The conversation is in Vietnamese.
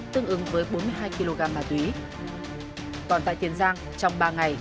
tương ứng với bốn mươi hai kg ma túy còn tại tiền giang trong ba ngày